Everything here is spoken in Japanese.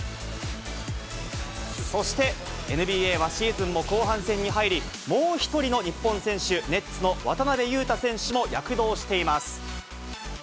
そしてＮＢＡはシーズンも後半戦に入り、もう１人の日本選手、ネッツの渡邊雄太選手も躍動しています。